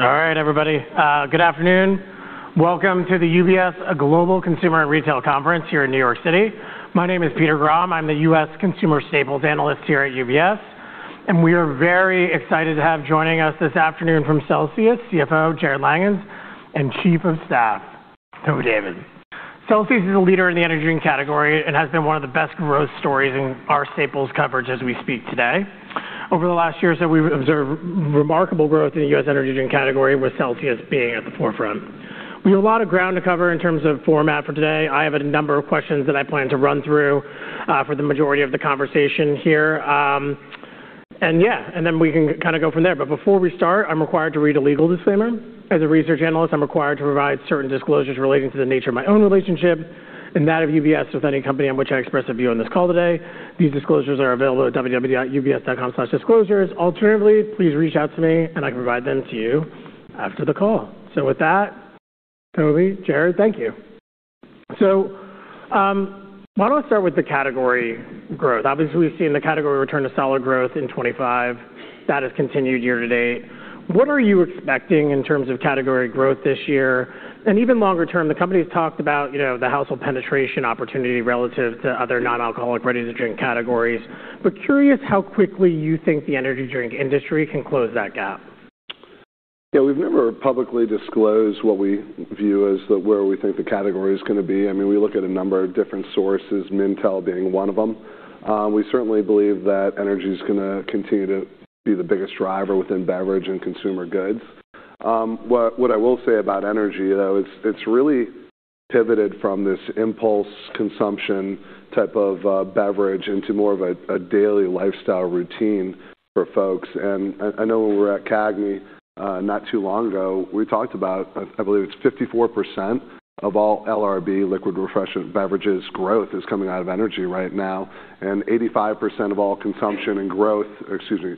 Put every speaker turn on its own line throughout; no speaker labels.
All right, everybody. Good afternoon. Welcome to the UBS Global Consumer and Retail Conference here in New York City. My name is Peter Grom. I'm the U.S. consumer staples analyst here at UBS, and we are very excited to have joining us this afternoon from Celsius, CFO Jarrod Langhans and Chief of Staff, Toby David. Celsius is a leader in the energy drink category and has been one of the best growth stories in our staples coverage as we speak today. Over the last year or so, we've observed remarkable growth in the U.S. energy drink category, with Celsius being at the forefront. We have a lot of ground to cover in terms of format for today. I have a number of questions that I plan to run through for the majority of the conversation here. Yeah, and then we can kind of go from there. Before we start, I'm required to read a legal disclaimer. As a research analyst, I'm required to provide certain disclosures relating to the nature of my own relationship and that of UBS with any company in which I express a view on this call today. These disclosures are available at www.ubs.com/disclosures. Alternatively, please reach out to me and I can provide them to you after the call. With that, Toby, Jarrod, thank you. Why don't we start with the category growth? Obviously, we've seen the category return to solid growth in 2025. That has continued year-to-date. What are you expecting in terms of category growth this year? And even longer term, the company's talked about, you know, the household penetration opportunity relative to other non-alcoholic ready-to-drink categories. Curious how quickly you think the energy drink industry can close that gap.
Yeah, we've never publicly disclosed what we view as where we think the category is gonna be. I mean, we look at a number of different sources, Mintel being one of them. We certainly believe that energy is gonna continue to be the biggest driver within beverage and consumer goods. What I will say about energy, though, it's really pivoted from this impulse consumption type of beverage into more of a daily lifestyle routine for folks. I know when we were at CAGNY not too long ago, we talked about. I believe it's 54% of all LRB, liquid refreshment beverages, growth is coming out of energy right now, and 85% of all consumption and growth. Excuse me.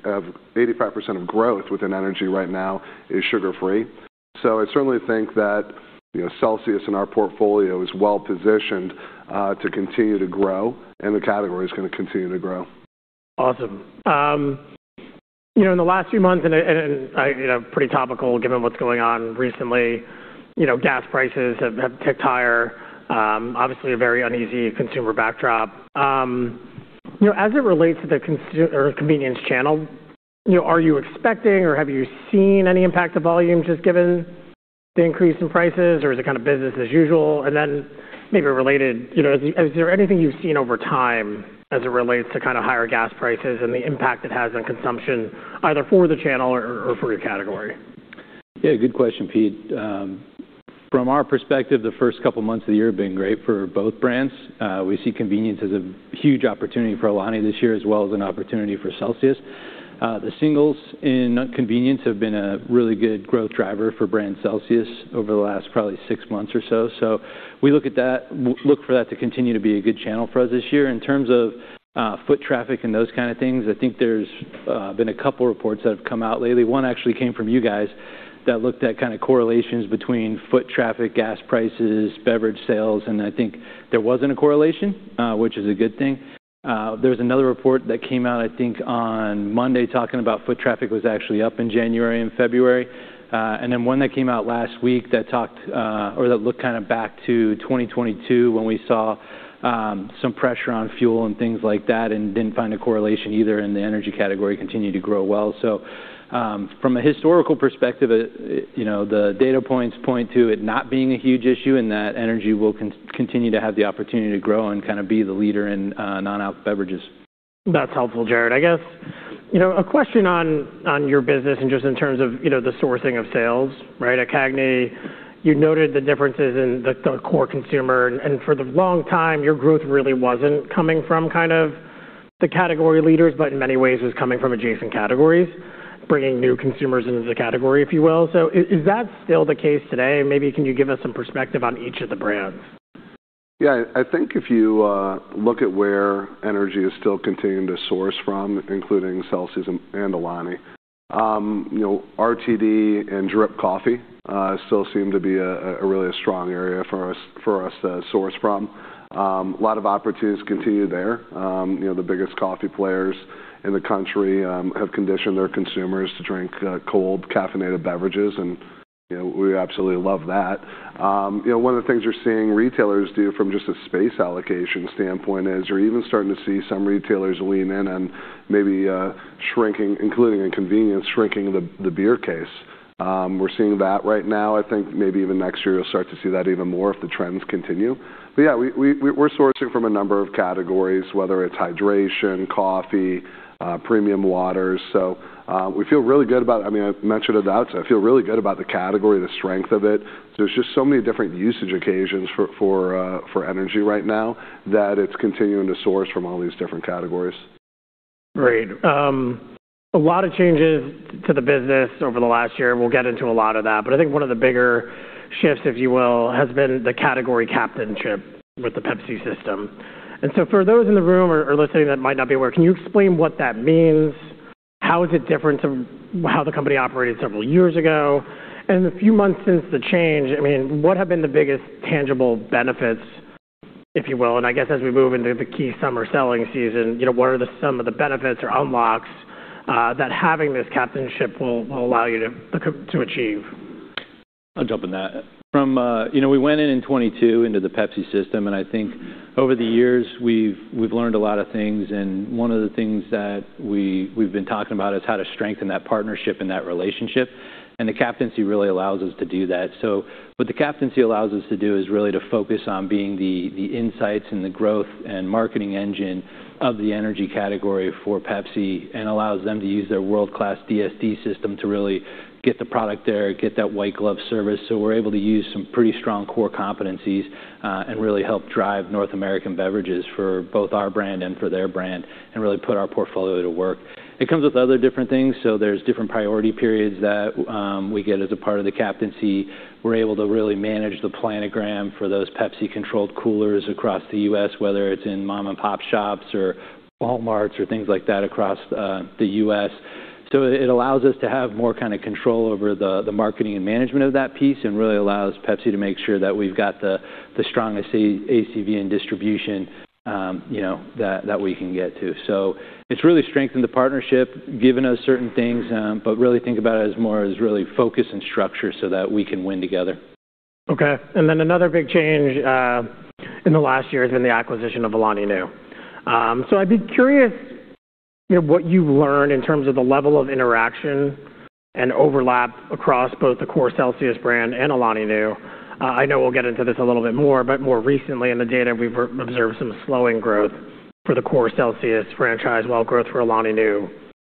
85% of growth within energy right now is sugar-free. I certainly think that, you know, Celsius in our portfolio is well-positioned to continue to grow, and the category is gonna continue to grow.
Awesome. You know, in the last few months, and I, you know, pretty topical given what's going on recently, you know, gas prices have ticked higher. Obviously a very uneasy consumer backdrop. You know, as it relates to the convenience channel, you know, are you expecting or have you seen any impact to volumes just given the increase in prices or is it kind of business as usual? Maybe related, you know, is there anything you've seen over time as it relates to kind of higher gas prices and the impact it has on consumption either for the channel or for your category?
Yeah, good question, Pete. From our perspective, the first couple months of the year have been great for both brands. We see convenience as a huge opportunity for Alani this year as well as an opportunity for Celsius. The singles in convenience have been a really good growth driver for brand Celsius over the last probably 6 months or so. So we look at that, look for that to continue to be a good channel for us this year. In terms of foot traffic and those kind of things, I think there's been a couple reports that have come out lately. One actually came from you guys that looked at kind of correlations between foot traffic, gas prices, beverage sales, and I think there wasn't a correlation, which is a good thing. There was another report that came out, I think, on Monday talking about foot traffic was actually up in January and February. Then one that came out last week that talked, or that looked kind of back to 2022 when we saw some pressure on fuel and things like that and didn't find a correlation either, and the energy category continued to grow well. From a historical perspective, it, you know, the data points point to it not being a huge issue and that energy will continue to have the opportunity to grow and kind of be the leader in non-alc beverages.
That's helpful, Jarrod. I guess, you know, a question on your business and just in terms of, you know, the sourcing of sales, right? At CAGNY, you noted the differences in the core consumer, and for a long time, your growth really wasn't coming from kind of the category leaders, but in many ways was coming from adjacent categories, bringing new consumers into the category, if you will. Is that still the case today? Maybe can you give us some perspective on each of the brands?
Yeah. I think if you look at where energy is still continuing to source from, including Celsius and Alani, you know, RTD and drip coffee still seem to be a really strong area for us to source from. A lot of opportunities continue there. You know, the biggest coffee players in the country have conditioned their consumers to drink cold caffeinated beverages, and you know, we absolutely love that. You know, one of the things you're seeing retailers do from just a space allocation standpoint is you're even starting to see some retailers lean in and maybe shrinking, including in convenience, shrinking the beer case. We're seeing that right now. I think maybe even next year you'll start to see that even more if the trends continue. Yeah, we're sourcing from a number of categories, whether it's hydration, coffee, premium water. We feel really good about. I mean, I mentioned it out. I feel really good about the category, the strength of it. There's just so many different usage occasions for energy right now that it's continuing to source from all these different categories.
Great. A lot of changes to the business over the last year. We'll get into a lot of that, but I think one of the bigger shifts, if you will, has been the category captainship with the Pepsi system. For those in the room or listening that might not be aware, can you explain what that means? How is it different to how the company operated several years ago? In the few months since the change, I mean, what have been the biggest tangible benefits. If you will, and I guess as we move into the key summer selling season, you know, what are some of the benefits or unlocks that having this captainship will allow you to achieve?
I'll jump on that. From you know, we went in in 2022 into the Pepsi system, and I think over the years, we've learned a lot of things, and one of the things that we've been talking about is how to strengthen that partnership and that relationship. The captaincy really allows us to do that. What the captaincy allows us to do is really to focus on being the insights and the growth and marketing engine of the energy category for Pepsi and allows them to use their world-class DSD system to really get the product there, get that white glove service. We're able to use some pretty strong core competencies and really help drive North American beverages for both our brand and for their brand and really put our portfolio to work. It comes with other different things, so there's different priority periods that we get as a part of the captaincy. We're able to really manage the planogram for those Pepsi-controlled coolers across the U.S., whether it's in mom-and-pop shops or Walmarts or things like that across the U.S. It allows us to have more kind of control over the marketing and management of that piece and really allows Pepsi to make sure that we've got the strongest ACV and distribution, you know, that we can get to. It's really strengthened the partnership, given us certain things, but really think about it as more as really focus and structure so that we can win together.
Okay. Another big change in the last year has been the acquisition of Alani Nu. I'd be curious, you know, what you've learned in terms of the level of interaction and overlap across both the core Celsius brand and Alani Nu. I know we'll get into this a little bit more, but more recently in the data, we've observed some slowing growth for the core Celsius franchise, while growth for Alani Nu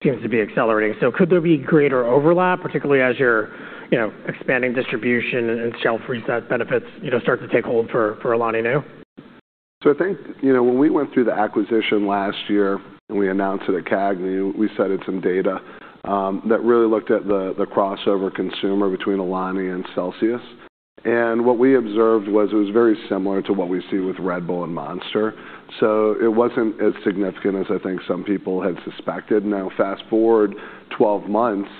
seems to be accelerating. Could there be greater overlap, particularly as you're, you know, expanding distribution and shelf reset benefits, you know, start to take hold for Alani Nu?
I think, you know, when we went through the acquisition last year, and we announced it at CAGNY, we cited some data that really looked at the crossover consumer between Alani and Celsius. What we observed was it was very similar to what we see with Red Bull and Monster. It wasn't as significant as I think some people had suspected. Now fast-forward 12 months,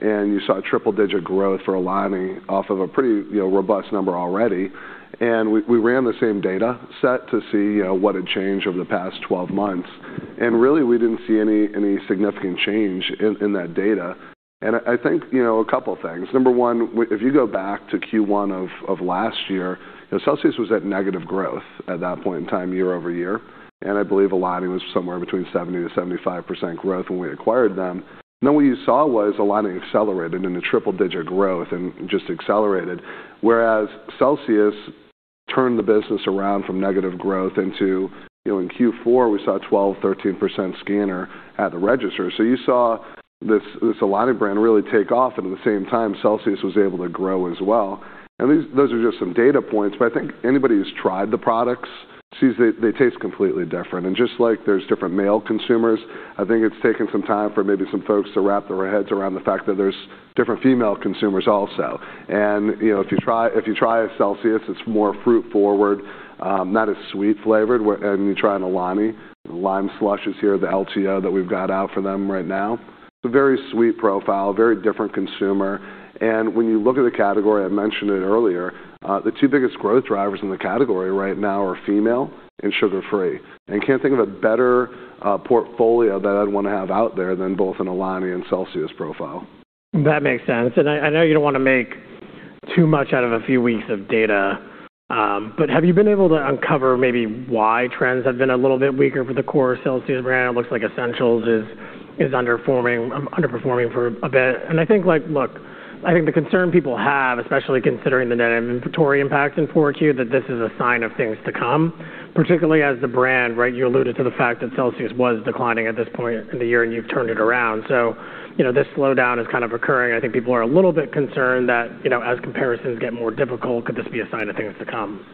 and you saw triple-digit growth for Alani off of a pretty, you know, robust number already. We ran the same data set to see, you know, what had changed over the past 12 months. Really, we didn't see any significant change in that data. I think, you know, a couple things. Number one, if you go back to Q1 of last year, Celsius was at negative growth at that point in time, year-over-year. I believe Alani was somewhere between 70%-75% growth when we acquired them. What you saw was Alani accelerated into triple-digit growth and just accelerated. Whereas Celsius turned the business around from negative growth into, you know, in Q4, we saw a 12%-13% scanner at the register. You saw this Alani brand really take off, and at the same time, Celsius was able to grow as well. These are just some data points, but I think anybody who's tried the products sees they taste completely different. Just like there's different male consumers, I think it's taken some time for maybe some folks to wrap their heads around the fact that there's different female consumers also. You know, if you try a Celsius, it's more fruit-forward, not as sweet flavored. You try an Alani, Lime Slush is here, the LTO that we've got out for them right now. It's a very sweet profile, very different consumer. When you look at the category, I mentioned it earlier, the two biggest growth drivers in the category right now are female and sugar-free. Can't think of a better portfolio that I'd wanna have out there than both an Alani and Celsius profile.
That makes sense. I know you don't wanna make too much out of a few weeks of data, but have you been able to uncover maybe why trends have been a little bit weaker for the core Celsius brand? It looks like ESSENTIALS is underperforming for a bit. I think, like, look, I think the concern people have, especially considering the net inventory impact in 4Q, that this is a sign of things to come, particularly as the brand, right? You alluded to the fact that Celsius was declining at this point in the year, and you've turned it around. You know, this slowdown is kind of occurring. I think people are a little bit concerned that, you know, as comparisons get more difficult, could this be a sign of things to come?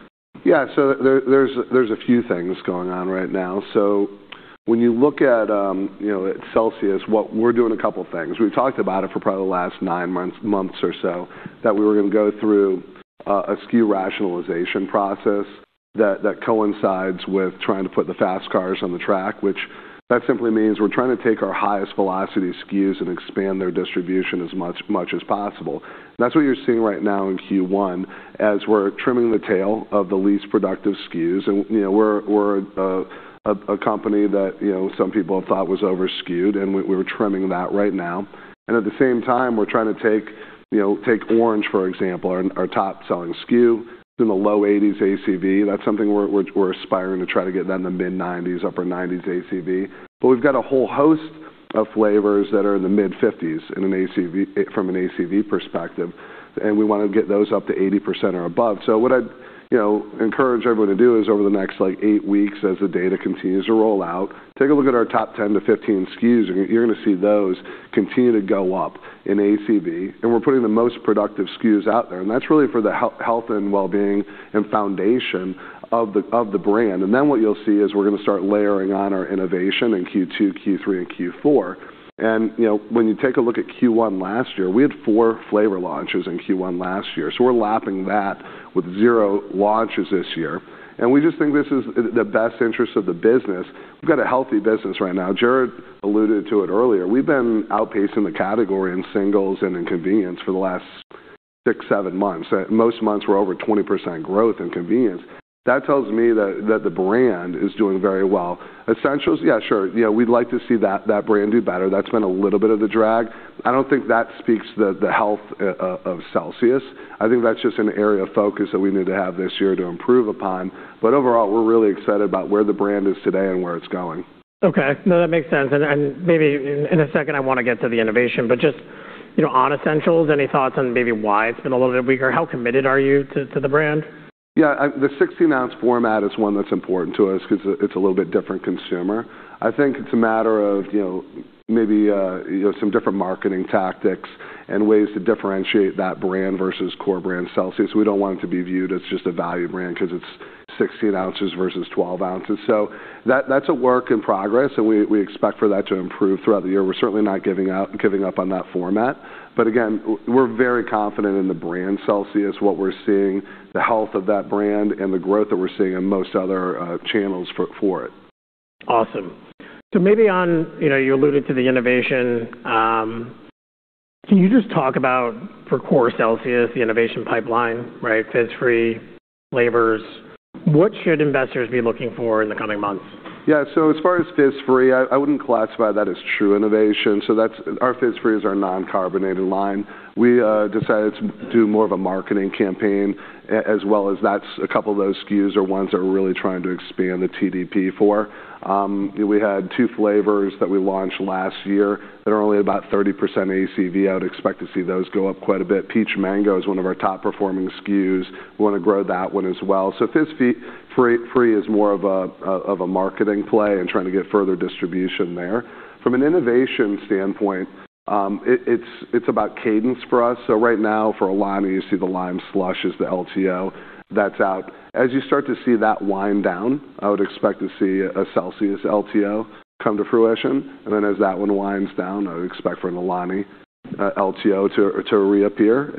Yeah. There's a few things going on right now. When you look at, you know, at Celsius, we're doing a couple things. We've talked about it for probably the last nine months or so, that we were gonna go through a SKU rationalization process that coincides with trying to put the fast cars on the track, which simply means we're trying to take our highest velocity SKUs and expand their distribution as much as possible. That's what you're seeing right now in Q1, as we're trimming the tail of the least productive SKUs. You know, we're a company that, you know, some people have thought was over-SKUed, and we're trimming that right now. At the same time, we're trying to take, you know, Orange, for example, our top-selling SKU. It's in the low 80s ACV. That's something we're aspiring to try to get down to mid-90s, upper 90s ACV. We've got a whole host of flavors that are in the mid-50s in ACV, from an ACV perspective, and we wanna get those up to 80% or above. What I'd, you know, encourage everyone to do is over the next, like, eight weeks as the data continues to roll out, take a look at our top 10-15 SKUs, and you're gonna see those continue to go up in ACV. We're putting the most productive SKUs out there, and that's really for the health and wellbeing and foundation of the brand. What you'll see is we're gonna start layering on our innovation in Q2, Q3, and Q4. You know, when you take a look at Q1 last year, we had four flavor launches in Q1 last year. We're lapping that with zero launches this year. We just think this is in the best interest of the business. We've got a healthy business right now. Jarrod alluded to it earlier. We've been outpacing the category in singles and in convenience for the last six, seven months. Most months we're over 20% growth in convenience. That tells me that the brand is doing very well. ESSENTIALS, yeah, sure. You know, we'd like to see that brand do better. That's been a little bit of a drag. I don't think that speaks to the health of Celsius. I think that's just an area of focus that we need to have this year to improve upon. Overall, we're really excited about where the brand is today and where it's going.
Okay. No, that makes sense. Maybe in a second I wanna get to the innovation, but just, you know, on ESSENTIALS, any thoughts on maybe why it's been a little bit weaker? How committed are you to the brand?
Yeah. The 16-ounce format is one that's important to us 'cause it's a little bit different consumer. I think it's a matter of, you know, maybe, some different marketing tactics and ways to differentiate that brand versus core brand Celsius. We don't want it to be viewed as just a value brand 'cause it's 16 ounces versus 12 ounces. That, that's a work in progress, and we expect for that to improve throughout the year. We're certainly not giving up on that format. Again, we're very confident in the brand Celsius, what we're seeing, the health of that brand and the growth that we're seeing in most other, channels for it.
Awesome. You know, you alluded to the innovation. Can you just talk about for core Celsius, the innovation pipeline, right? Fizz-Free flavors. What should investors be looking for in the coming months?
Yeah. As far as Fizz-Free, I wouldn't classify that as true innovation, that's our Fizz-Free, our non-carbonated line. We decided to do more of a marketing campaign as well as that's a couple of those SKUs are ones that we're really trying to expand the TDP for. We had two flavors that we launched last year that are only about 30% ACV. I would expect to see those go up quite a bit. Peach Mango is one of our top performing SKUs. We wanna grow that one as well. Fizz-Free is more of a marketing play and trying to get further distribution there. From an innovation standpoint, it's about cadence for us. Right now for Alani, you see the Lime Slush is the LTO that's out. As you start to see that wind down, I would expect to see a Celsius LTO come to fruition. As that one winds down, I would expect for an Alani LTO to reappear.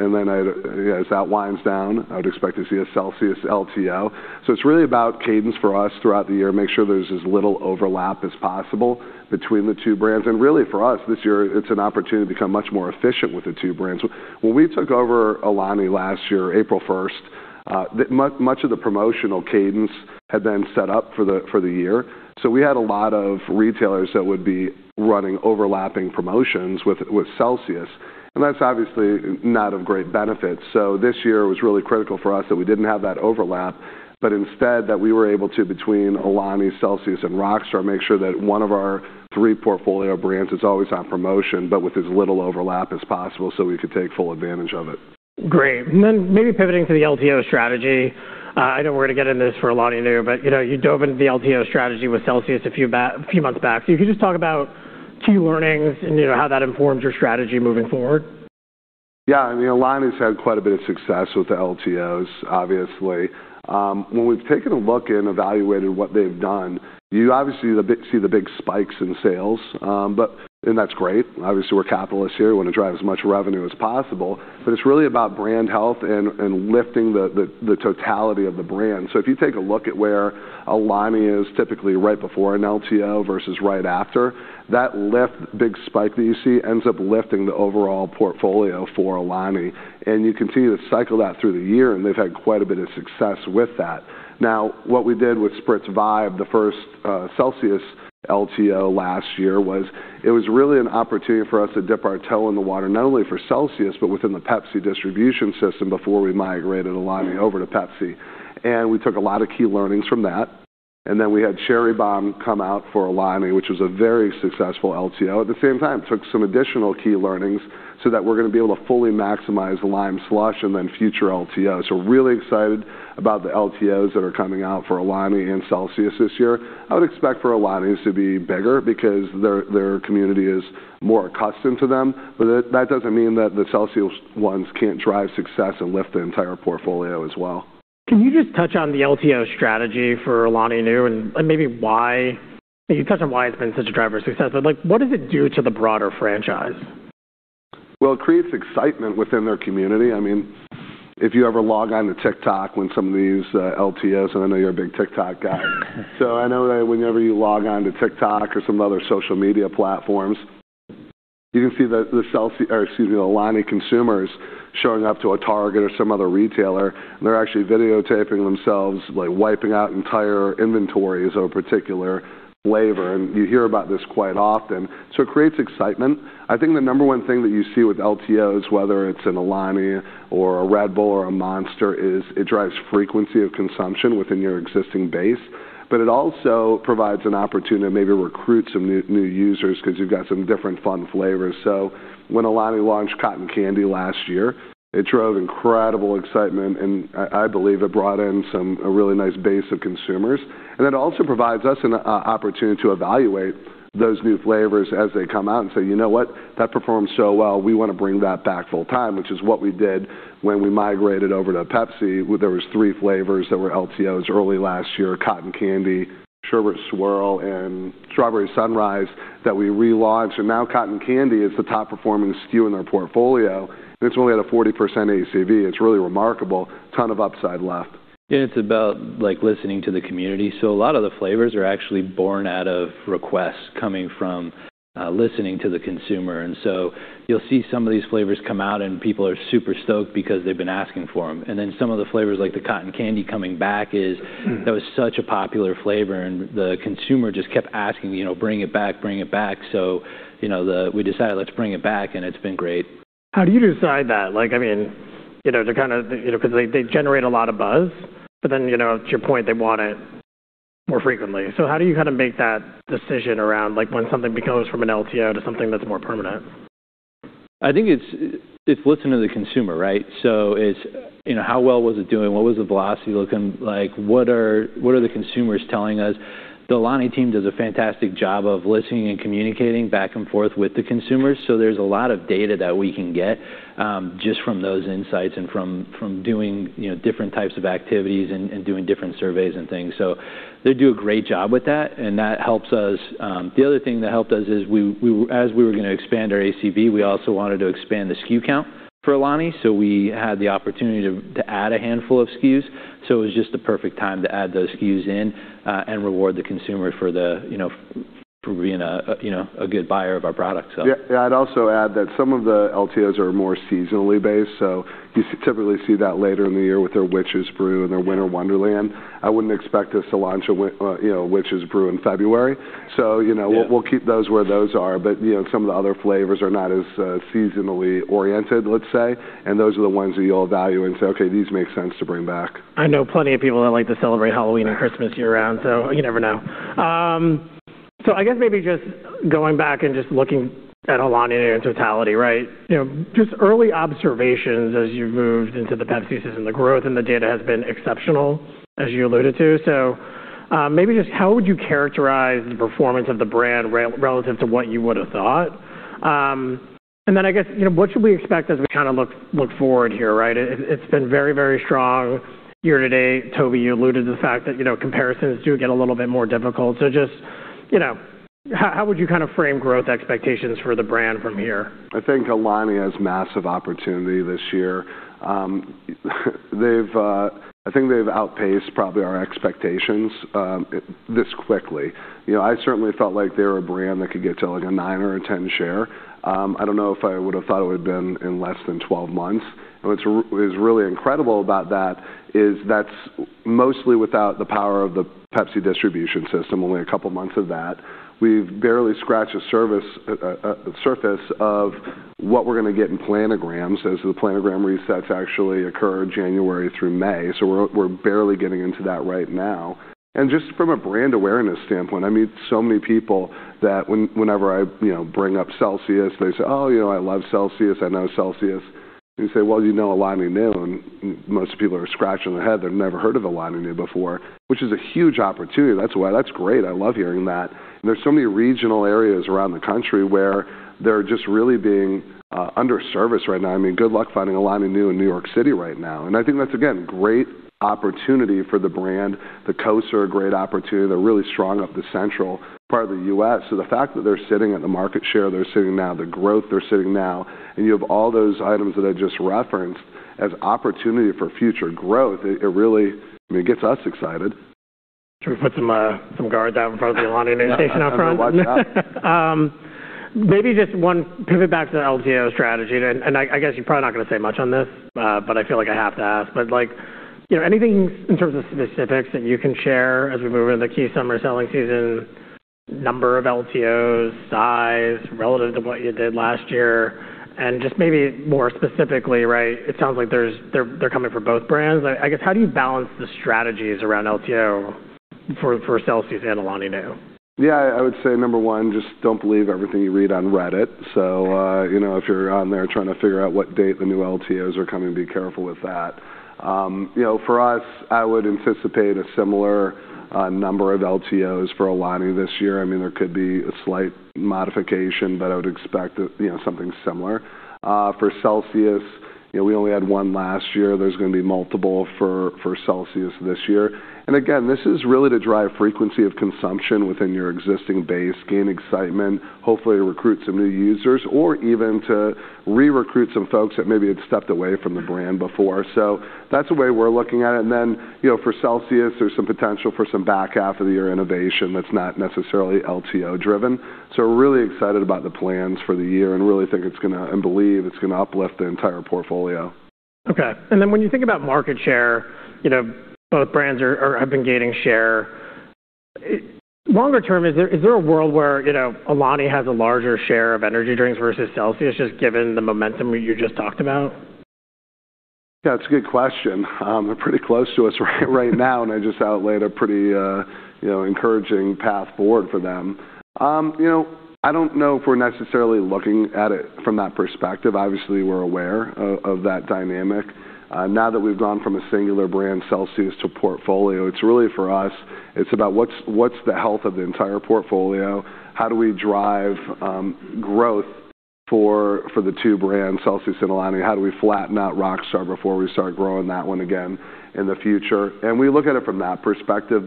As that winds down, I would expect to see a Celsius LTO. It's really about cadence for us throughout the year, make sure there's as little overlap as possible between the two brands. Really for us this year, it's an opportunity to become much more efficient with the two brands. When we took over Alani last year, April first, much of the promotional cadence had been set up for the year. We had a lot of retailers that would be running overlapping promotions with Celsius, and that's obviously not of great benefit. This year was really critical for us that we didn't have that overlap, but instead that we were able to, between Alani, Celsius and Rockstar, make sure that one of our three portfolio brands is always on promotion, but with as little overlap as possible so we could take full advantage of it.
Great. Maybe pivoting to the LTO strategy. I know we're gonna get into this for Alani Nu, but, you know, you dove into the LTO strategy with Celsius a few months back. If you could just talk about key learnings and, you know, how that informs your strategy moving forward.
Yeah. I mean, Alani's had quite a bit of success with the LTOs obviously. When we've taken a look and evaluated what they've done, you obviously see the big spikes in sales. That's great. Obviously, we're capitalists here. We want to drive as much revenue as possible, but it's really about brand health and lifting the totality of the brand. If you take a look at where Alani is typically right before an LTO versus right after, that lift, big spike that you see ends up lifting the overall portfolio for Alani. You continue to cycle that through the year, and they've had quite a bit of success with that. What we did with Spritz Vibe, the first Celsius LTO last year, was it was really an opportunity for us to dip our toe in the water, not only for Celsius, but within the Pepsi distribution system before we migrated Alani over to Pepsi. We took a lot of key learnings from that. We had Cherry Bomb come out for Alani, which was a very successful LTO. At the same time, took some additional key learnings so that we're gonna be able to fully maximize Lime Slush and then future LTOs. Really excited about the LTOs that are coming out for Alani and Celsius this year. I would expect for Alani's to be bigger because their community is more accustomed to them. That doesn't mean that the Celsius ones can't drive success and lift the entire portfolio as well.
Can you just touch on the LTO strategy for Alani Nu and maybe why it's been such a driver of success, but, like, what does it do to the broader franchise?
Well, it creates excitement within their community. I mean, if you ever log on to TikTok when some of these LTOs, and I know you're a big TikTok guy, so I know that whenever you log on to TikTok or some other social media platforms, you can see the Alani consumers showing up to a Target or some other retailer, and they're actually videotaping themselves, like, wiping out entire inventories of a particular flavor. You hear about this quite often. It creates excitement. I think the number one thing that you see with LTOs, whether it's an Alani or a Red Bull or a Monster, is it drives frequency of consumption within your existing base, but it also provides an opportunity to maybe recruit some new users because you've got some different fun flavors. When Alani launched Cotton Candy last year, it drove incredible excitement, and I believe it brought in a really nice base of consumers. It also provides us an opportunity to evaluate those new flavors as they come out and say, "You know what? That performed so well, we wanna bring that back full-time," which is what we did when we migrated over to Pepsi. There was three flavors that were LTOs early last year, Cotton Candy, Sherbet Swirl, and Strawberry Sunrise, that we relaunched, and now Cotton Candy is the top performing SKU in their portfolio, and it's only at a 40% ACV. It's really remarkable. Ton of upside left.
It's about, like, listening to the community. A lot of the flavors are actually born out of requests coming from listening to the consumer. You'll see some of these flavors come out, and people are super stoked because they've been asking for them. Then some of the flavors, like the Cotton Candy coming back, is that was such a popular flavor, and the consumer just kept asking me, you know, "Bring it back, bring it back." You know, we decided let's bring it back, and it's been great.
How do you decide that? Like, I mean. You know, they're kind of, you know, 'cause they generate a lot of buzz, but then, you know, to your point, they want it more frequently. How do you kind of make that decision around, like, when something goes from an LTO to something that's more permanent?
I think it's listening to the consumer, right? It's, you know, how well was it doing? What was the velocity looking like? What are the consumers telling us? The Alani team does a fantastic job of listening and communicating back and forth with the consumers, so there's a lot of data that we can get, just from those insights and from doing, you know, different types of activities and doing different surveys and things. They do a great job with that, and that helps us. The other thing that helped us is, as we were gonna expand our ACV, we also wanted to expand the SKU count for Alani. We had the opportunity to add a handful of SKUs, so it was just the perfect time to add those SKUs in and reward the consumer for the you know for being a you know a good buyer of our products, so.
Yeah. Yeah. I'd also add that some of the LTOs are more seasonally based, you typically see that later in the year with their Witches Brew and their Winter Wonderland. I wouldn't expect us to launch a you know a Witches Brew in February. You know.
Yeah.
We'll keep those where those are. You know, some of the other flavors are not as seasonally oriented, let's say, and those are the ones that you'll evaluate and say, "Okay, these make sense to bring back."
I know plenty of people that like to celebrate Halloween, yeah, and Christmas year-round, so you never know. I guess maybe just going back and just looking at Alani in its totality, right? You know, just early observations as you've moved into the Pepsi system, the growth and the data has been exceptional, as you alluded to. Maybe just how would you characterize the performance of the brand relative to what you would have thought? And then I guess, you know, what should we expect as we kind of look forward here, right? It's been very, very strong year-to-date. Toby, you alluded to the fact that, you know, comparisons do get a little bit more difficult. Just, you know, how would you kind of frame growth expectations for the brand from here?
I think Alani has massive opportunity this year. They've outpaced probably our expectations this quickly. You know, I certainly felt like they're a brand that could get to, like, a 9 or 10 share. I don't know if I would've thought it would've been in less than 12 months. What's really incredible about that is that's mostly without the power of the Pepsi distribution system, only a couple months of that. We've barely scratched the surface of what we're gonna get in planograms as the planogram resets actually occur January through May, so we're barely getting into that right now. Just from a brand awareness standpoint, I meet so many people that whenever I, you know, bring up Celsius, they say, "Oh, you know, I love Celsius. I know Celsius." You say, "Well, you know Alani Nu?" Most people are scratching their head. They've never heard of Alani Nu before, which is a huge opportunity. That's why that's great. I love hearing that. There's so many regional areas around the country where they're just really being underserved right now. I mean, good luck finding Alani Nu in New York City right now. I think that's, again, great opportunity for the brand. The coasts are a great opportunity. They're really strong up the central part of the U.S. The fact that they're sitting at the market share they're sitting now, the growth they're sitting now, and you have all those items that I just referenced as opportunity for future growth, it really, I mean, gets us excited.
Should we put some guards out in front of the Alani station out front?
Yeah.
Watch out. Maybe just one. Pivot back to the LTO strategy. I guess you're probably not gonna say much on this, but I feel like I have to ask. Like, you know, anything in terms of specifics that you can share as we move into the key summer selling season, number of LTOs, size relative to what you did last year? Just maybe more specifically, right, it sounds like they're coming from both brands. I guess how do you balance the strategies around LTO for Celsius and Alani Nu?
Yeah. I would say number one, just don't believe everything you read on Reddit. You know, if you're on there trying to figure out what date the new LTOs are coming, be careful with that. You know, for us, I would anticipate a similar number of LTOs for Alani this year. I mean, there could be a slight modification, but I would expect you know, something similar. For Celsius, you know, we only had one last year. There's gonna be multiple for Celsius this year. Again, this is really to drive frequency of consumption within your existing base, gain excitement, hopefully recruit some new users, or even to re-recruit some folks that maybe had stepped away from the brand before. That's the way we're looking at it. You know, for Celsius, there's some potential for some back half of the year innovation that's not necessarily LTO driven. We're really excited about the plans for the year and really think it's gonna, and believe it's gonna uplift the entire portfolio.
Okay. When you think about market share, you know, both brands have been gaining share. Longer term, is there a world where, you know, Alani has a larger share of energy drinks versus Celsius, just given the momentum you just talked about?
Yeah, it's a good question. They're pretty close to us right now, and I just laid out a pretty, you know, encouraging path forward for them. You know, I don't know if we're necessarily looking at it from that perspective. Obviously, we're aware of that dynamic. Now that we've gone from a singular brand, Celsius, to portfolio, it's really, for us, it's about what's the health of the entire portfolio? How do we drive growth for the two brands, Celsius and Alani? How do we flatten out Rockstar before we start growing that one again in the future? We look at it from that perspective.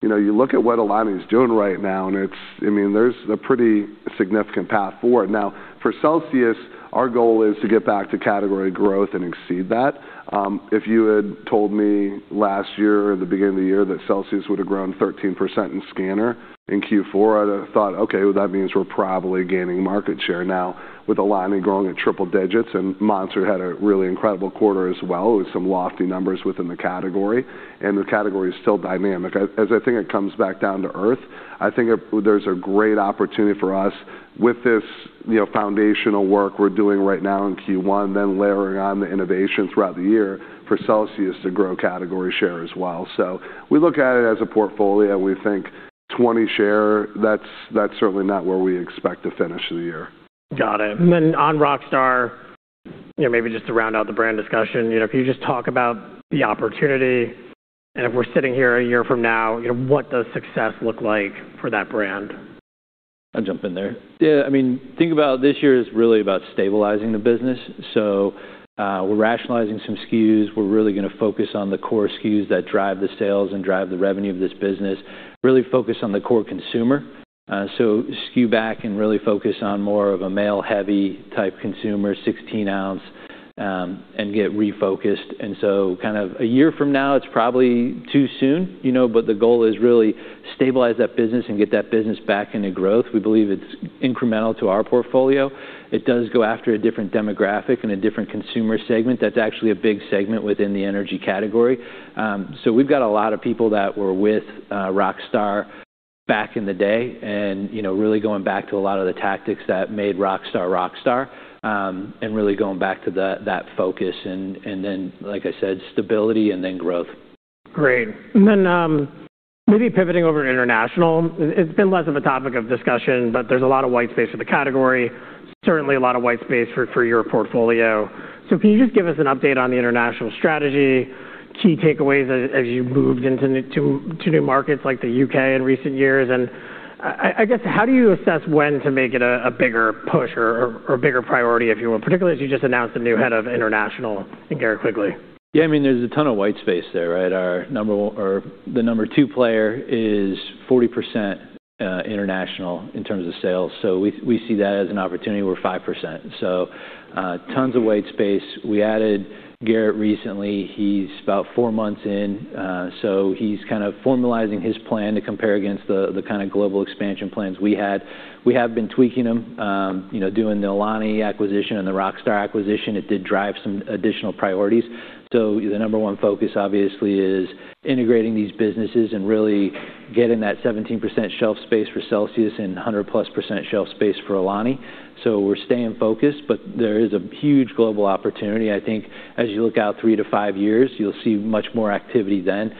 You know, you look at what Alani's doing right now, and it's, I mean, there's a pretty significant path forward. Now, for Celsius, our goal is to get back to category growth and exceed that. If you had told me last year or the beginning of the year that Celsius would have grown 13% in scanner in Q4, I'd have thought, "Okay, well, that means we're probably gaining market share." Now, with Alani growing at triple digits, and Monster had a really incredible quarter as well with some lofty numbers within the category, and the category is still dynamic. As I think it comes back down to earth, I think there's a great opportunity for us with this, you know, foundational work we're doing right now in Q1, then layering on the innovation throughout the year for Celsius to grow category share as well. We look at it as a portfolio. We think 20% share, that's certainly not where we expect to finish the year.
Got it. On Rockstar, you know, maybe just to round out the brand discussion, you know, can you just talk about the opportunity and if we're sitting here a year from now, you know, what does success look like for that brand?
I'll jump in there. Yeah, I mean, think about this year is really about stabilizing the business. We're rationalizing some SKUs. We're really gonna focus on the core SKUs that drive the sales and drive the revenue of this business, really focus on the core consumer. Skew back and really focus on more of a male-heavy type consumer, 16-ounce, and get refocused. Kind of a year from now, it's probably too soon, you know, but the goal is really stabilize that business and get that business back into growth. We believe it's incremental to our portfolio. It does go after a different demographic and a different consumer segment. That's actually a big segment within the energy category. We've got a lot of people that were with Rockstar back in the day and, you know, really going back to a lot of the tactics that made Rockstar, Rockstar, and really going back to that focus and then, like I said, stability and then growth.
Great. Maybe pivoting over to international. It's been less of a topic of discussion, but there's a lot of white space in the category, certainly a lot of white space for your portfolio. Can you just give us an update on the international strategy, key takeaways as you moved into new markets like the U.K. in recent years? I guess, how do you assess when to make it a bigger push or a bigger priority, if you will, particularly as you just announced a new head of international in Garrett Quigley?
Yeah, I mean, there's a ton of white space there, right? Our number one or the number two player is 40% international in terms of sales. We see that as an opportunity. We're 5%. Tons of white space. We added Garrett recently. He's about four months in, so he's kind of formalizing his plan to compare against the kind of global expansion plans we had. We have been tweaking them, you know, doing the Alani acquisition and the Rockstar acquisition. It did drive some additional priorities. The number one focus obviously is integrating these businesses and really getting that 17% shelf space for Celsius and 100+% shelf space for Alani. We're staying focused, but there is a huge global opportunity. I think as you look out 3-5 years, you'll see much more activity then.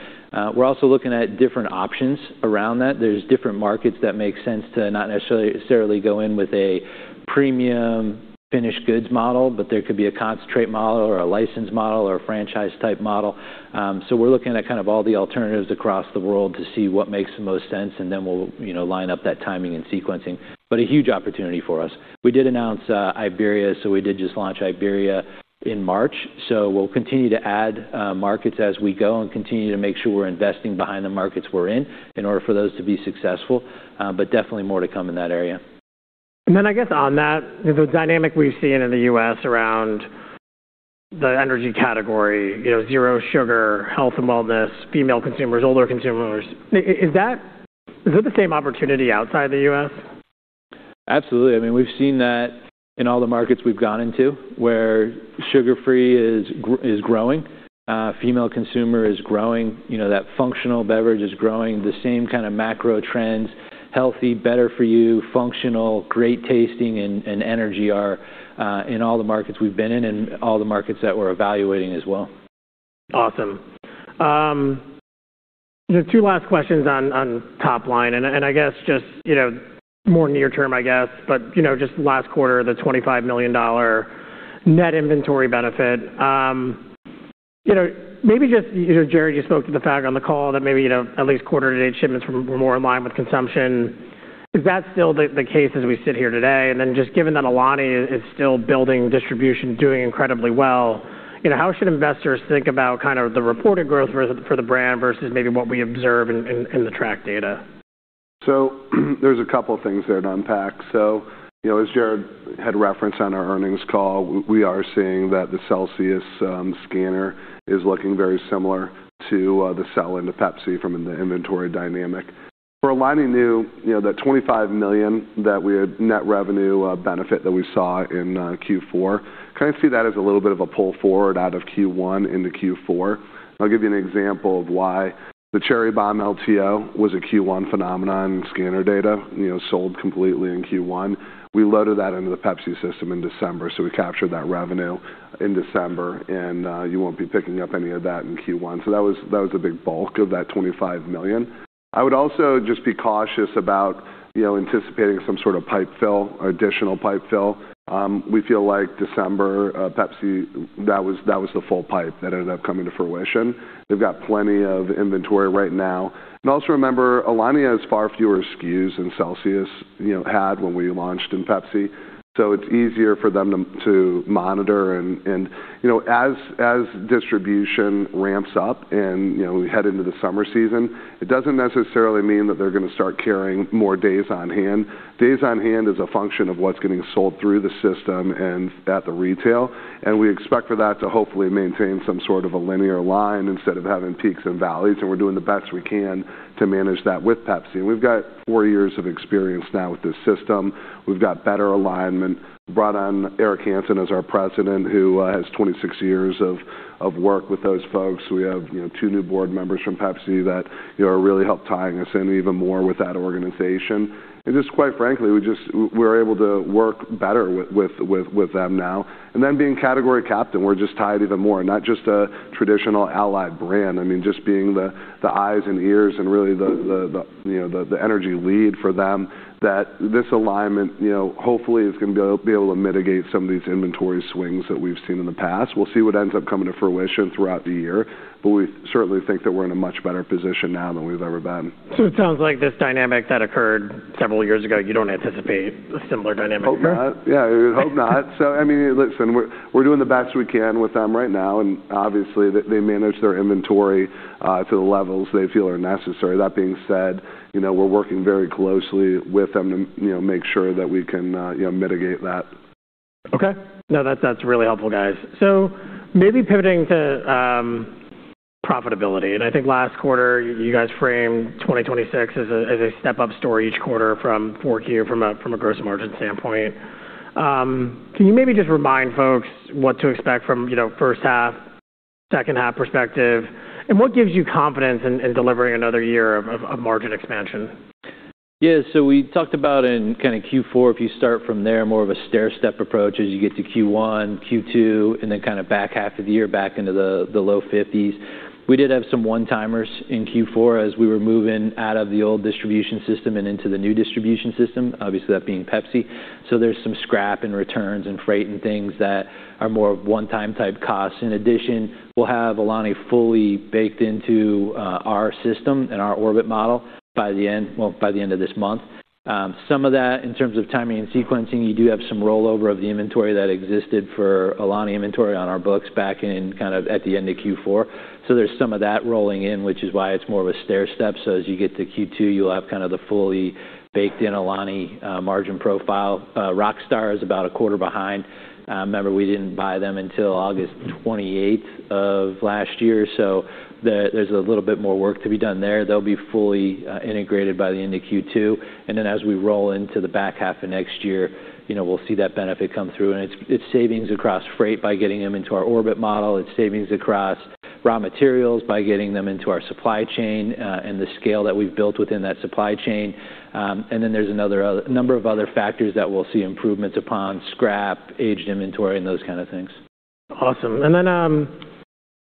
We're also looking at different options around that. There's different markets that make sense to not necessarily go in with a premium finished goods model, but there could be a concentrate model or a license model or a franchise type model. We're looking at kind of all the alternatives across the world to see what makes the most sense, and then we'll, you know, line up that timing and sequencing. A huge opportunity for us. We did announce Iberia, so we did just launch Iberia in March. We'll continue to add markets as we go and continue to make sure we're investing behind the markets we're in order for those to be successful. Definitely more to come in that area.
I guess on that, the dynamic we've seen in the U.S. around the energy category, you know, zero sugar, health and wellness, female consumers, older consumers. Is it the same opportunity outside the U.S.?
Absolutely. I mean, we've seen that in all the markets we've gone into, where sugar-free is growing, female consumer is growing. You know, that functional beverage is growing. The same kind of macro trends, healthy, better for you, functional, great tasting, and energy are in all the markets we've been in and all the markets that we're evaluating as well.
Awesome. Two last questions on top line and I guess just, you know, more near term, I guess, but you know, just last quarter, the $25 million net inventory benefit. Maybe just, you know, Jarrod, you spoke to the fact on the call that maybe, you know, at least quarter-to-date shipments were more in line with consumption. Is that still the case as we sit here today? Then just given that Alani is still building distribution, doing incredibly well, you know, how should investors think about kind of the reported growth for the brand versus maybe what we observe in the track data?
There's a couple things there to unpack. You know, as Jarrod had referenced on our earnings call, we are seeing that the Celsius scanner is looking very similar to the sell into Pepsi from the inventory dynamic. For Alani Nu, you know, that $25 million that we had net revenue benefit that we saw in Q4, kind of see that as a little bit of a pull forward out of Q1 into Q4. I'll give you an example of why. The Cherry Bomb LTO was a Q1 phenomenon in scanner data, you know, sold completely in Q1. We loaded that into the Pepsi system in December, so we captured that revenue in December, and you won't be picking up any of that in Q1. That was a big bulk of that $25 million. I would also just be cautious about, you know, anticipating some sort of pipe fill or additional pipe fill. We feel like December, Pepsi, that was the full pipe that ended up coming to fruition. They've got plenty of inventory right now. Also remember, Alani has far fewer SKUs than Celsius, you know, had when we launched in Pepsi, so it's easier for them to monitor and, you know. As distribution ramps up and, you know, we head into the summer season, it doesn't necessarily mean that they're gonna start carrying more days on hand. Days on hand is a function of what's getting sold through the system and at the retail, and we expect for that to hopefully maintain some sort of a linear line instead of having peaks and valleys, and we're doing the best we can to manage that with Pepsi. We've got four years of experience now with this system. We've got better alignment. Brought on Eric Hanson as our President, who has 26 years of work with those folks. We have, you know, two new board members from Pepsi that, you know, are really helping tie us in even more with that organization. Just quite frankly, we're able to work better with them now. Then being category captain, we're just tied even more, not just a traditional allied brand. I mean, just being the eyes and ears and really the energy lead for them that this alignment, you know, hopefully is gonna be able to mitigate some of these inventory swings that we've seen in the past. We'll see what ends up coming to fruition throughout the year, but we certainly think that we're in a much better position now than we've ever been.
It sounds like this dynamic that occurred several years ago, you don't anticipate a similar dynamic now?
Hope not. Yeah, hope not. I mean, listen, we're doing the best we can with them right now, and obviously they manage their inventory to the levels they feel are necessary. That being said, you know, we're working very closely with them to, you know, make sure that we can, you know, mitigate that.
Okay. No, that's really helpful, guys. Maybe pivoting to profitability, and I think last quarter you guys framed 2026 as a step-up story each quarter from 4Q from a gross margin standpoint. Can you maybe just remind folks what to expect from, you know, first half, second half perspective, and what gives you confidence in delivering another year of margin expansion?
Yeah. We talked about in kinda Q4, if you start from there, more of a stairstep approach as you get to Q1, Q2, and then kinda back half of the year back into the low 50s. We did have some one-timers in Q4 as we were moving out of the old distribution system and into the new distribution system, obviously that being Pepsi. There's some scrap and returns and freight and things that are more one-time type costs. In addition, we'll have Alani fully baked into our system and our Orbit model by the end of this month. Some of that in terms of timing and sequencing, you do have some rollover of the inventory that existed for Alani inventory on our books back in kind of at the end of Q4. There's some of that rolling in, which is why it's more of a stairstep. As you get to Q2, you'll have kind of the fully baked in Alani margin profile. Rockstar is about a quarter behind. Remember we didn't buy them until August 28th of last year. There's a little bit more work to be done there. They'll be fully integrated by the end of Q2. As we roll into the back half of next year, you know, we'll see that benefit come through. It's savings across freight by getting them into our Orbit model. It's savings across raw materials by getting them into our supply chain and the scale that we've built within that supply chain. There's a number of other factors that we'll see improvements upon, scrap, aged inventory, and those kind of things.
Awesome.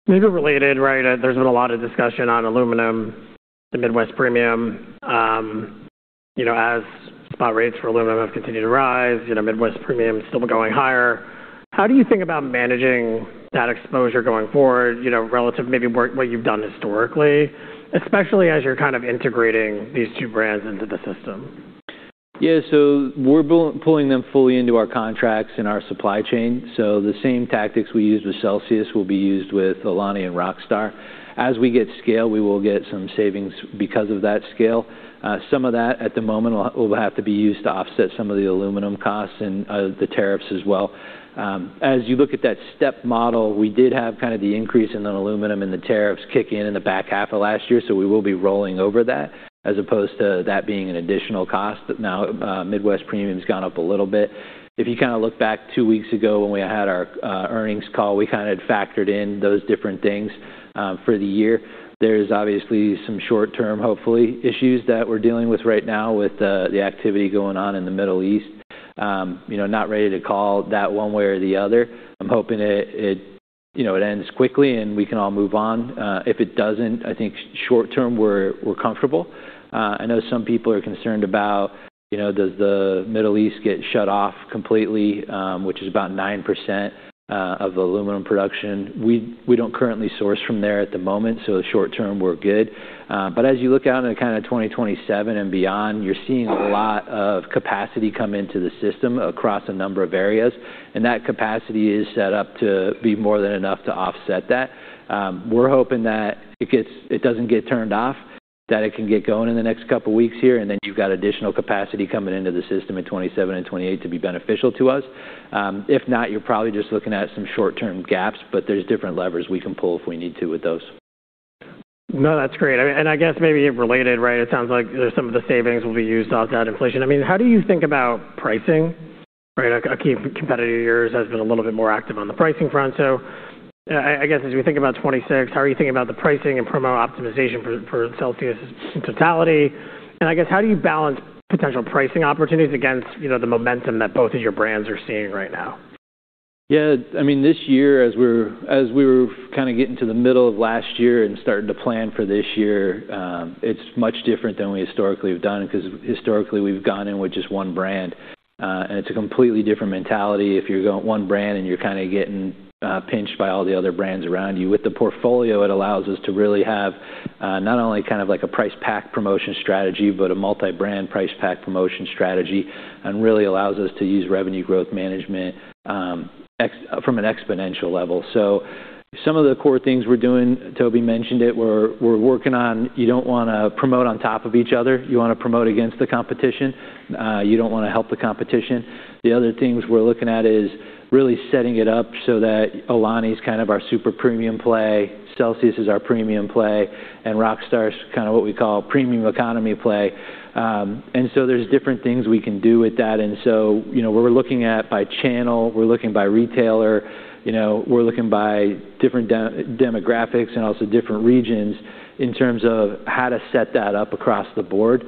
Maybe related, right? There's been a lot of discussion on aluminum, the Midwest premium. You know, as spot rates for aluminum have continued to rise, you know, Midwest premium still going higher. How do you think about managing that exposure going forward, you know, relative to what you've done historically, especially as you're kind of integrating these two brands into the system?
Yeah. We're pulling them fully into our contracts and our supply chain. The same tactics we used with Celsius will be used with Alani and Rockstar. As we get scale, we will get some savings because of that scale. Some of that at the moment will have to be used to offset some of the aluminum costs and the tariffs as well. As you look at that step model, we did have kind of the increase in the aluminum and the tariffs kick in in the back half of last year, so we will be rolling over that as opposed to that being an additional cost. Now, Midwest premium's gone up a little bit. If you kind of look back two weeks ago when we had our earnings call, we kind of had factored in those different things for the year. There's obviously some short term, hopefully, issues that we're dealing with right now with the activity going on in the Middle East. You know, not ready to call that one way or the other. I'm hoping it, you know, it ends quickly and we can all move on. If it doesn't, I think short term we're comfortable. I know some people are concerned about, you know, does the Middle East get shut off completely, which is about 9% of aluminum production. We don't currently source from there at the moment, so short term we're good. As you look out into kinda 2027 and beyond, you're seeing a lot of capacity come into the system across a number of areas, and that capacity is set up to be more than enough to offset that. We're hoping that it doesn't get turned off, that it can get going in the next couple weeks here, and then you've got additional capacity coming into the system in 2027 and 2028 to be beneficial to us. If not, you're probably just looking at some short-term gaps, but there's different levers we can pull if we need to with those.
No, that's great. I guess maybe related, right? It sounds like some of the savings will be used to offset that inflation. I mean, how do you think about pricing, right? A key competitor of yours has been a little bit more active on the pricing front. I guess as we think about 2026, how are you thinking about the pricing and promo optimization for Celsius in totality? I guess how do you balance potential pricing opportunities against, you know, the momentum that both of your brands are seeing right now?
Yeah, I mean this year as we were kinda getting to the middle of last year and starting to plan for this year, it's much different than we historically have done 'cause historically we've gone in with just one brand. It's a completely different mentality if you're going one brand and you're kinda getting pinched by all the other brands around you. With the portfolio, it allows us to really have not only kind of like a price pack promotion strategy, but a multi-brand price pack promotion strategy, and really allows us to use revenue growth management from an exponential level. Some of the core things we're doing, Toby mentioned it, we're working on you don't wanna promote on top of each other. You wanna promote against the competition. You don't wanna help the competition. The other things we're looking at is really setting it up so that Alani Nu's kind of our super premium play, Celsius is our premium play, and Rockstar's kind of what we call premium economy play. There's different things we can do with that. You know, we're looking at by channel, we're looking by retailer, you know, we're looking by different demographics and also different regions in terms of how to set that up across the board.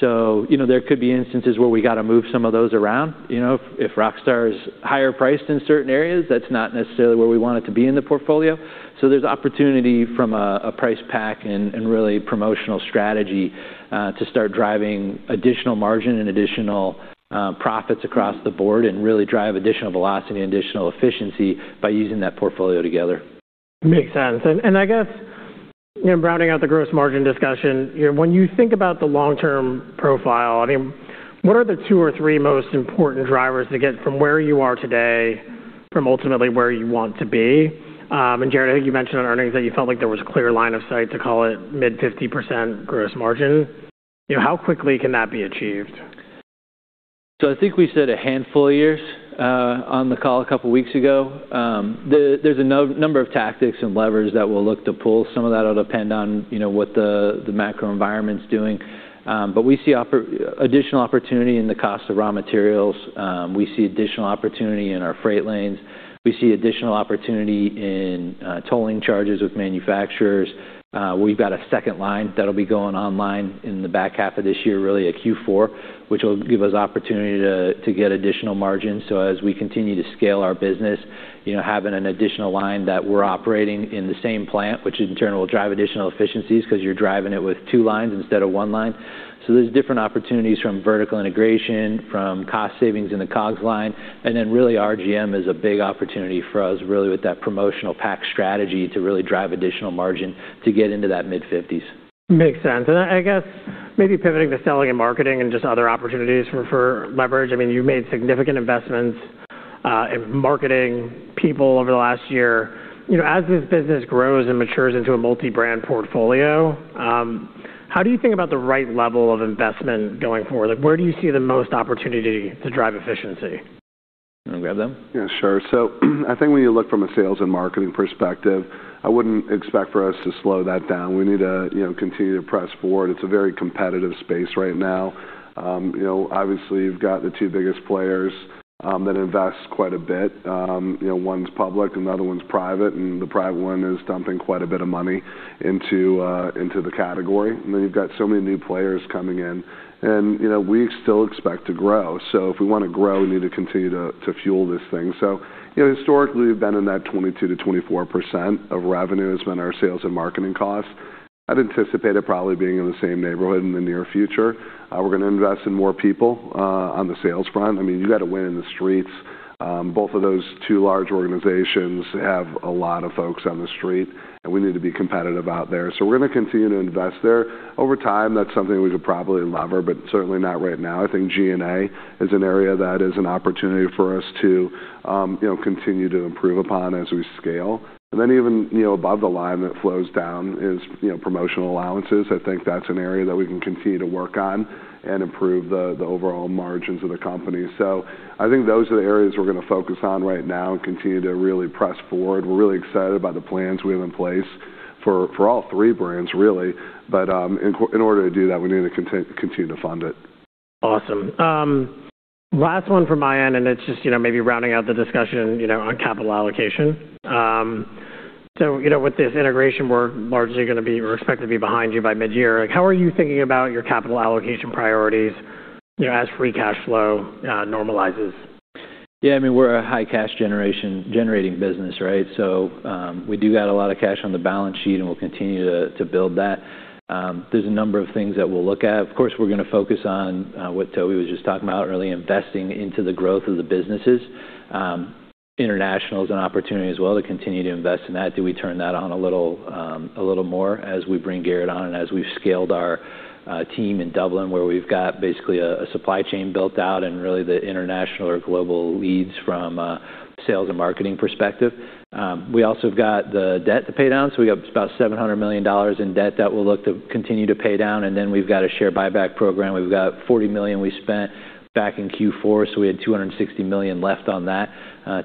You know, there could be instances where we gotta move some of those around. You know, if Rockstar is higher priced in certain areas, that's not necessarily where we want it to be in the portfolio. There's opportunity from a price pack and really promotional strategy to start driving additional margin and additional profits across the board and really drive additional velocity and additional efficiency by using that portfolio together.
Makes sense. I guess, you know, rounding out the gross margin discussion, you know, when you think about the long-term profile, I mean, what are the two or three most important drivers to get from where you are today from ultimately where you want to be? Jarrod, I think you mentioned on earnings that you felt like there was a clear line of sight to call it mid-50% gross margin. You know, how quickly can that be achieved?
I think we said a handful of years on the call a couple weeks ago. There's a number of tactics and levers that we'll look to pull. Some of that'll depend on, you know, what the macro environment's doing. We see additional opportunity in the cost of raw materials. We see additional opportunity in our freight lanes. We see additional opportunity in tolling charges with manufacturers. We've got a second line that'll be going online in the back half of this year, really at Q4, which will give us opportunity to get additional margins. As we continue to scale our business, you know, having an additional line that we're operating in the same plant, which in turn will drive additional efficiencies 'cause you're driving it with two lines instead of one line. There's different opportunities from vertical integration, from cost savings in the COGS line, and then really RGM is a big opportunity for us, really with that promotional pack strategy to really drive additional margin to get into that mid-50s%.
Makes sense. I guess maybe pivoting to selling and marketing and just other opportunities for leverage, I mean, you've made significant investments in marketing people over the last year. You know, as this business grows and matures into a multi-brand portfolio, how do you think about the right level of investment going forward? Like, where do you see the most opportunity to drive efficiency?
You wanna grab that?
Yeah, sure. I think when you look from a sales and marketing perspective, I wouldn't expect for us to slow that down. We need to, you know, continue to press forward. It's a very competitive space right now. You know, obviously you've got the two biggest players that invest quite a bit. You know, one's public, another one's private, and the private one is dumping quite a bit of money into the category. I mean, you've got so many new players coming in and, you know, we still expect to grow. If we wanna grow, we need to continue to fuel this thing. You know, historically we've been in that 22%-24% of revenue has been our sales and marketing costs. I'd anticipate it probably being in the same neighborhood in the near future. We're gonna invest in more people on the sales front. I mean, you gotta win in the streets. Both of those two large organizations have a lot of folks on the street, and we need to be competitive out there. We're gonna continue to invest there. Over time, that's something we could probably leverage, but certainly not right now. I think G&A is an area that is an opportunity for us to, you know, continue to improve upon as we scale. Even, you know, above the line that flows down is, you know, promotional allowances. I think that's an area that we can continue to work on and improve the overall margins of the company. I think those are the areas we're gonna focus on right now and continue to really press forward. We're really excited about the plans we have in place for all three brands, really. In order to do that, we need to continue to fund it.
Awesome. Last one from my end, and it's just, you know, maybe rounding out the discussion, you know, on capital allocation. With this integration, we're largely gonna be, or expected to be behind you by mid-year. Like, how are you thinking about your capital allocation priorities, you know, as free cash flow normalizes?
Yeah, I mean, we're a high cash generation, generating business, right? We do got a lot of cash on the balance sheet, and we'll continue to build that. There's a number of things that we'll look at. Of course, we're gonna focus on what Toby was just talking about, really investing into the growth of the businesses. International is an opportunity as well to continue to invest in that. Do we turn that on a little more as we bring Garrett on and as we've scaled our team in Dublin, where we've got basically a supply chain built out and really the international or global leads from a sales and marketing perspective. We also have got the debt to pay down. We have about $700 million in debt that we'll look to continue to pay down, and then we've got a share buyback program. We've got $40 million we spent back in Q4, so we had $260 million left on that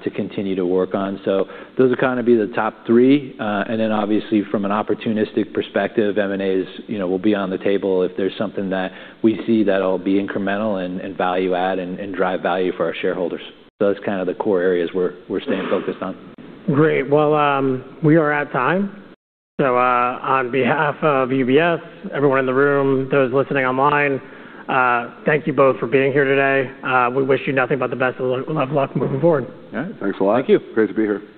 to continue to work on. Those will kinda be the top three. Obviously from an opportunistic perspective, M&A is, you know, will be on the table if there's something that we see that'll be incremental and value add and drive value for our shareholders. Those are kind of the core areas we're staying focused on.
Great. Well, we are at time. On behalf of UBS, everyone in the room, those listening online, thank you both for being here today. We wish you nothing but the best, a lot of luck moving forward.
Yeah. Thanks a lot.
Thank you.
Great to be here.